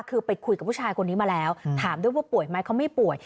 คือไปคุยกับผู้ชายคนนี้มาแล้วถามด้วยว่าป่วยไหมเขาไม่ป่วย